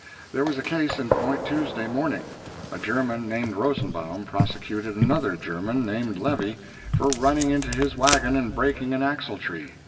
There was a case in point Tuesday morning. A German named Rosenbaum prosecuted another German named Levy, for running into his wagon and breaking an axletree.